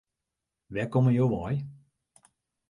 Wêr komme jo wei?